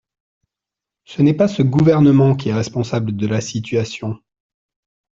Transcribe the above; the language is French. Ce n’est pas ce Gouvernement qui est responsable de la situation.